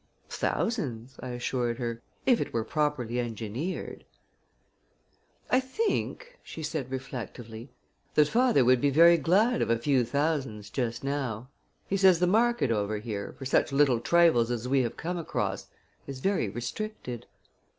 "Thousands," I assured her, "if it were properly engineered." "I think," she said reflectively, "that father would be very glad of a few thousands just now. He says the market over here, for such little trifles as we have come across, is very restricted."